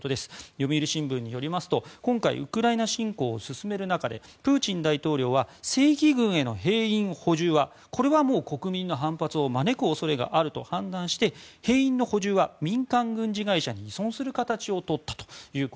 読売新聞によりますと今回、ウクライナ侵攻を進める中でプーチン大統領は正規軍への兵員補充はこれは国民の反発を招く恐れがあると判断して兵員の補充は民間軍事会社に依存する形をとったと。